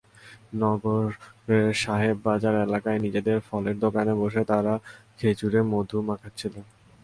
নগরের সাহেববাজার এলাকায় নিজেদের ফলের দোকানে বসে তাঁরা খেজুরে মধু মাখাচ্ছিলেন।